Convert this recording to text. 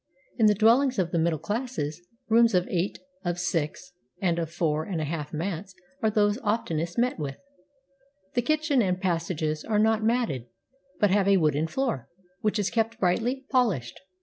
In the dwellings of the middle classes, rooms of eight, of six, and of four and a half mats are those oftenest met with. The kitchen and passages are not matted, but have a wooden floor, which is kept brightly 414 A JAPANESE HOUSE polished.